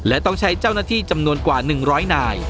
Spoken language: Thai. และต้องใช้เจ้าหน้าที่จำนวนกว่า๑๐๐นาย